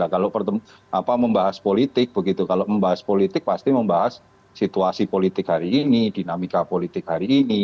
kalau membahas politik pasti membahas situasi politik hari ini dinamika politik hari ini